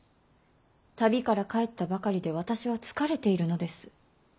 旅から帰ったばかりで私は疲れているのです。